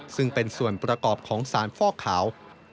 ซึ่งเป็นส่วนประกอบของสารฟอกขาว